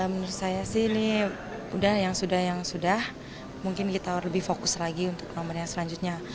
menurut saya sih ini udah yang sudah yang sudah mungkin kita lebih fokus lagi untuk nomor yang selanjutnya